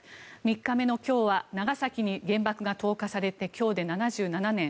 ３日目の今日は長崎に原爆が投下されて今日で７７年。